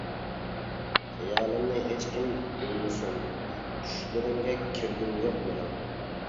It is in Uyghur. خىيالىمنى ھېچكىم بۆلمىسۇن، چۈشلىرىڭگە كىرگۈم يوق مېنىڭ.